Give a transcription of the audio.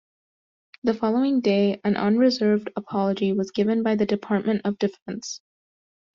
The following day, an unreserved apology was given by the Department of Defence.